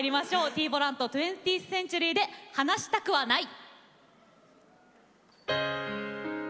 Ｔ−ＢＯＬＡＮと２０ｔｈＣｅｎｔｕｒｙで「離したくはない」。